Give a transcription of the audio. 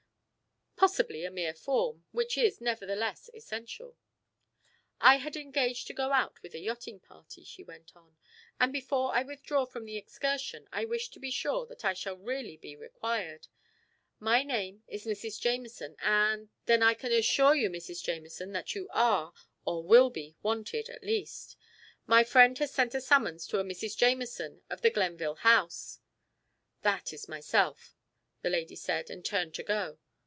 "Possibly a mere form, which is nevertheless essential." "I had engaged to go out with a yachting party," she went on, "and before I withdraw from the excursion I wish to be sure that I shall really be required. My name is Mrs. Jamieson, and " "Then I can assure you, Mrs. Jamieson, that you are, or will be wanted, at least. My friend has sent a summons to a Mrs. Jamieson of the Glenville House." "That is myself," the lady said, and turned to go.